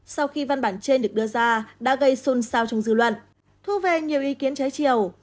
sau khi văn bản trên được đưa ra đã gây xôn xao trong dư luận thu về nhiều ý kiến trái chiều